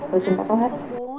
tôi xin bắt đầu hết